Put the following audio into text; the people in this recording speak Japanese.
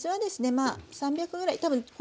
まあ３００ぐらい多分。